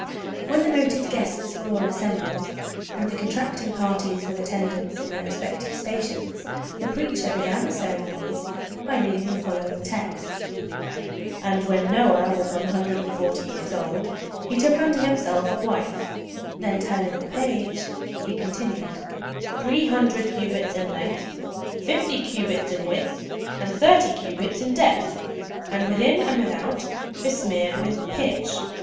When the noted guests were all assembled and the contracting parties with attendants in their respective stations, the preacher began the ceremonies by reading the following text: "And when Noah was one hundred and forty years old, he took unto himself a wife" (then turning the page he continued) "three hundred cubits in length, fifty cubits in width, and thirty cubits in depth, and within and without besmeared with pitch."